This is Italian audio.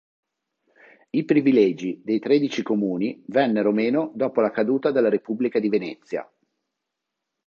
I privilegi dei Tredici Comuni vennero meno dopo la caduta della Repubblica di Venezia.